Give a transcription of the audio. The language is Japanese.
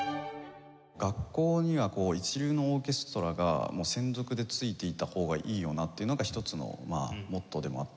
学校にはこう一流のオーケストラが専属で付いていた方がいいよなっていうのが一つのモットーでもあって。